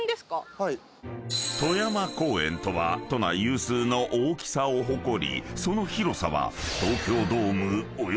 ［戸山公園とは都内有数の大きさを誇りその広さは］